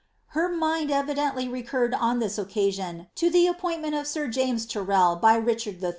Her mind evidently recurred on this occasion to the appointment of sir Jamei Tyrrel by Richard IJI.